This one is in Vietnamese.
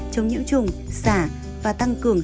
chống nhiễu trùng xả và tăng cường